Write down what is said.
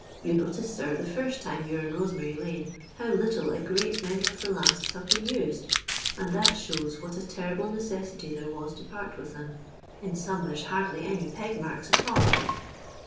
Tou notice, sir, the first time yon Ye in Bosemary lane, how little a great many of the lasts have been used, and that shows what a terrible necessity there was to part with them. In some there's hardly any peg marks at all."